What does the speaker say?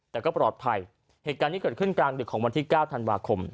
แต่ก็ปลอดภัยเหตุการณ์นี้เกิดขึ้นกลางดึกของวันที่๙ธันวาคม